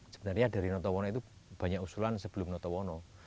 sebenarnya dari notawono itu banyak usulan sebelum notowono